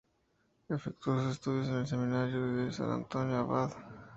Efectuó sus estudios en el Seminario de San Antonio Abad.